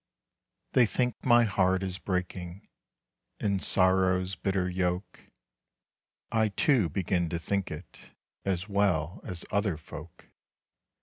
They think my heart is breaking, In sorrow's bitter yoke, I too begin to think it, As well as other folk.